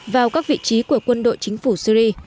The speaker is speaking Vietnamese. vào các vị trí của quân đội chính phủ syri